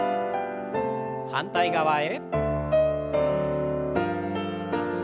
反対側へ。